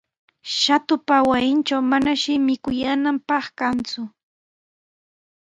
Shatupa wasintraw manashi mikuyaananpaq kanku.